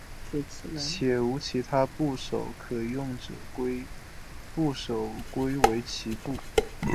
且无其他部首可用者将部首归为齐部。